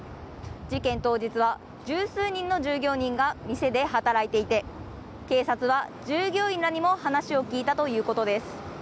事件当日は十数人の従業員が店で働いていて警察は従業員らにも話を聞いたということです。